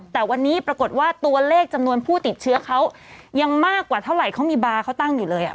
แต่วันนี้ปรากฏว่าตัวเลขจำนวนผู้ติดเชื้อเขายังมากกว่าเท่าไหร่เขามีบาร์เขาตั้งอยู่เลยอ่ะ